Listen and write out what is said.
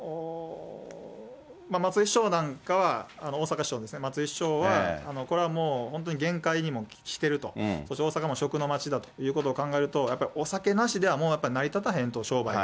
松井市長なんかは、大阪市長ですね、これはもう本当に限界にも来てると、そして大阪も食の町だということを考えると、やっぱりお酒なしでは、もうやっぱり成り立たへんと、商売が。